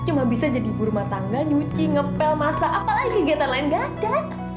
cuma bisa jadi ibu rumah tangga nyuci ngepel masa apalagi kegiatan lain gak ada